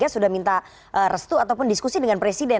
sudah minta restu ataupun diskusi dengan presiden